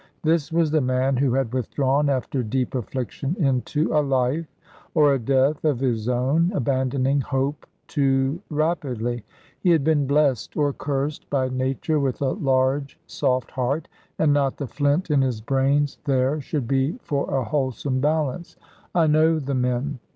This was the man who had withdrawn, after deep affliction, into a life, or a death, of his own, abandoning hope too rapidly. He had been blessed, or cursed, by nature, with a large, soft heart; and not the flint in his brains there should be for a wholesome balance. I know the men.